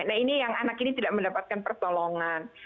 nah ini yang anak ini tidak mendapatkan pertolongan